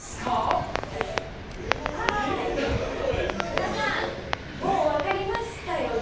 皆さんもう分かりましたよね？